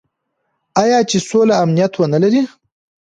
آیا چې سوله او امنیت ونلري؟